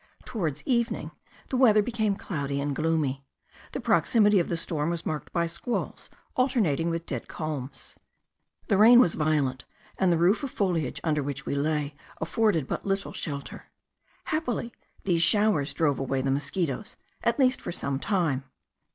Towards evening the weather became cloudy and gloomy. The proximity of the storm was marked by squalls alternating with dead calms. The rain was violent, and the roof of foliage, under which we lay, afforded but little shelter. Happily these showers drove away the mosquitos, at least for some time.